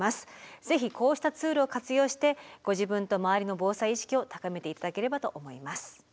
ぜひこうしたツールを活用してご自分と周りの防災意識を高めて頂ければと思います。